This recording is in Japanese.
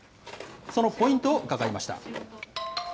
そのポイントを伺いました。